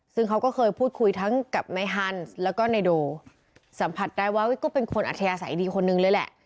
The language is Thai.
ซึ่งเขาก็เคยพูดคุยทั้งกับนายฮันส์แล้วก็นายโดสัมผัสได้ว่าก็เป็นคนอัธยาศัยดีคนนึงเลยแหละ